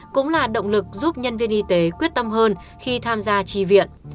cũng là động lực giúp nhân viên y tế quyết tâm hơn khi tham gia tri viện